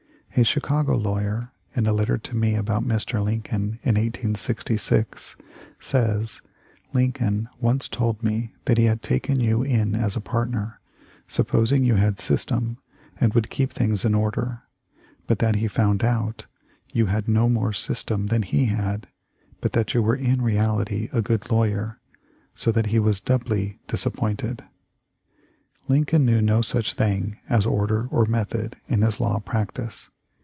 A Chicago lawyer,* in a letter to me about Mr. Lin coln, in 1866, says: "Lincoln once told me that he had taken you in as a partner, supposing you had system and would keep things in order, but that he found out you had no more system than he had, but that you were in reality a good lawyer, so that he was doubly disappointed." Lincoln knew no such thing as order or method in his law practice.